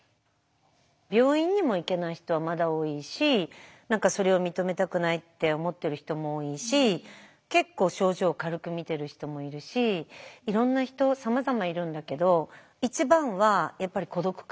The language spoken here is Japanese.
病院にも行けない人はまだ多いしそれを認めたくないって思ってる人も多いし結構症状軽く見てる人もいるしいろんな人さまざまいるんだけど一番はやっぱり孤独感。